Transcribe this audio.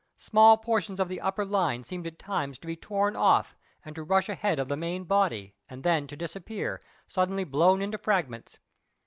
Small portions of the upper line seemed at times to be torn off and to rush ahead of the main body, and then to disappear, suddenly blown into fragments.